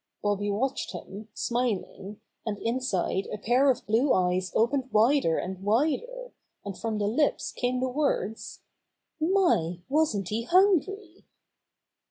Bobby watched him, smil ing, and inside a pair of blue eyes opened wider and wider, and from the lips came the words: "My, wasn't he hungry!"